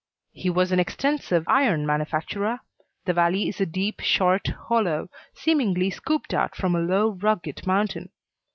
He was an extensive iron manufacturer. The valley is a deep, short hollow, seemingly scooped out from a low, rugged mountain.